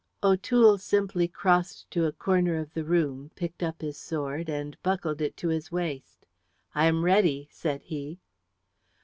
O'Toole simply crossed to a corner of the room, picked up his sword and buckled it to his waist. "I am ready," said he.